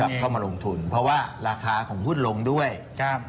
เข้ามาลงทุนเพราะว่าราคาของหุ้นลงด้วยครับ